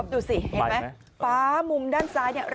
พี่ทำยังไงฮะ